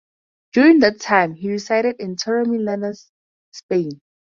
During that time he resided in Torremolinos, Spain.